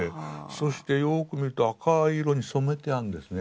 そしてよく見ると赤い色に染めてあるんですね。